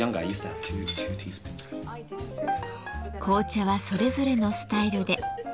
紅茶はそれぞれのスタイルで。